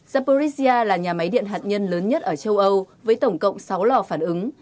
zaporizia là nhà máy điện hạt nhân lớn nhất ở châu âu với tổng cộng sáu lò phản ứng